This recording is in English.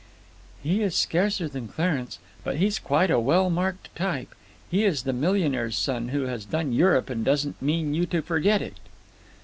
"He is scarcer than Clarence, but he's quite a well marked type. He is the millionaire's son who has done Europe and doesn't mean you to forget it."